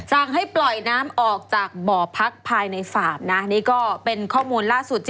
สั่งให้ปล่อยน้ำออกจากบ่อพักภายในฟาร์มนะนี่ก็เป็นข้อมูลล่าสุด